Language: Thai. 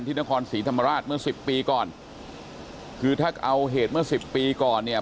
นครศรีธรรมราชเมื่อสิบปีก่อนคือถ้าเอาเหตุเมื่อสิบปีก่อนเนี่ย